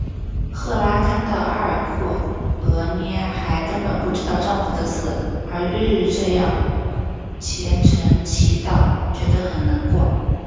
赫拉看到阿尔库俄涅还根本不知道丈夫的死而日日这样虔诚祈祷觉得很难过。